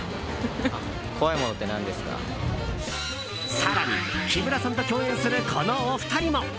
更に、木村さんと共演するこのお二人も。